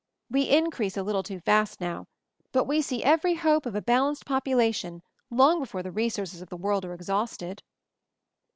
We in crease a little too fast now, but see every hope of a balanced population long before the resources of the world are exhausted."